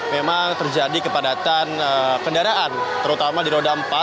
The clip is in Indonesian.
memang terjadi kepadatan kendaraan terutama di roda empat